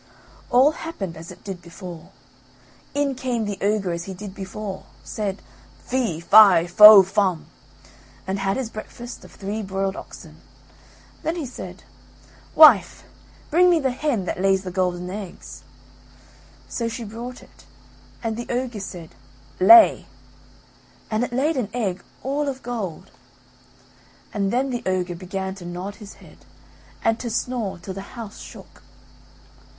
All happened as it did before. In came the ogre as he did before, said: "Fee fi fo fum," and had his breakfast off three broiled oxen. Then he said: "Wife, bring me the hen that lays the golden eggs." So she brought it, and the ogre said: "Lay," and it laid an egg all of gold. And then the ogre began to nod his head, and to snore till the house shook.